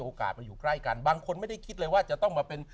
มาอยู่ใกล้กันบางคนไม่ได้คิดเลยว่าจะต้องมาเป็น